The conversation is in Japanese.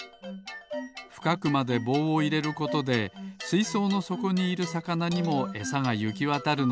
ふかくまでぼうをいれることですいそうのそこにいるさかなにもエサがゆきわたるのです。